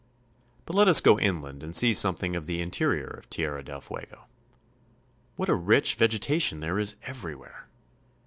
But let us go inland and see something of the interior of Tierra del Fuego. What a rich vegetation there is everywhere